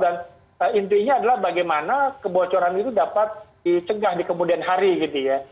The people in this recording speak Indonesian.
dan intinya adalah bagaimana kebocoran itu dapat dicegah di kemudian hari gitu ya